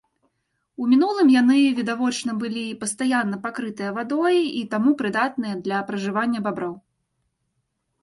У мінулым яны, відавочна, былі пастаянна пакрытыя вадой і таму прыдатныя для пражывання баброў.